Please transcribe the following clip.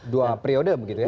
dua periode begitu ya